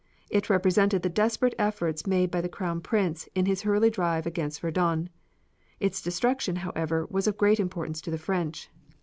It represented the desperate efforts made by the Crown Prince in his early drive against Verdun. Its destruction, however, was of great importance to the French.